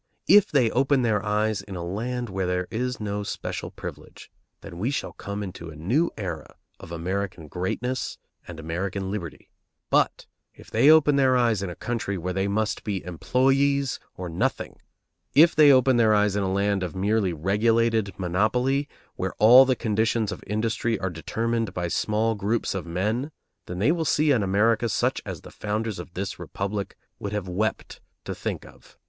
If they open their eyes in a land where there is no special privilege, then we shall come into a new era of American greatness and American liberty; but if they open their eyes in a country where they must be employees or nothing, if they open their eyes in a land of merely regulated monopoly, where all the conditions of industry are determined by small groups of men, then they will see an America such as the founders of this Republic would have wept to think of.